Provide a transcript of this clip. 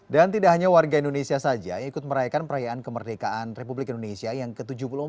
dan tidak hanya warga indonesia saja yang ikut merayakan perayaan kemerdekaan republik indonesia yang ke tujuh puluh empat